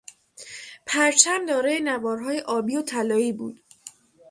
پرچم دارای نوارهای آبی و طلایی بود.